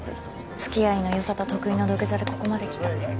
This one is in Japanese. つきあいの良さと得意の土下座でここまで来た。